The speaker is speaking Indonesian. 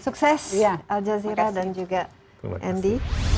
sukses aljazeera dan juga andy